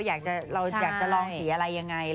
ว่าเราอยากจะลองสีอะไรยังไง